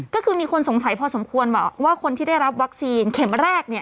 ก็คือมีคนสงสัยพอสมควรว่าคนที่ได้รับวัคซีนเข็มแรกเนี่ย